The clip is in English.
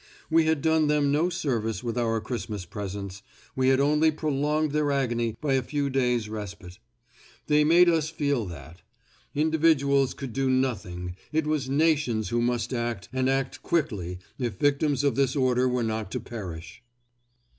We had done them no service with our Christmas presents; we had only prolonged their agony by a few days' respite. They made us feel that. Individuals could do nothing. It was nations who must act and act quickly if victims of this order were not to perish.